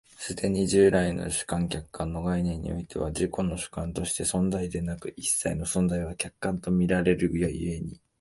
更に従来の主観・客観の概念においては、自己は主観として存在でなく、一切の存在は客観と見られる故に、